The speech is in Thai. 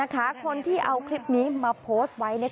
คนที่เอาคลิปนี้มาโพสต์ไว้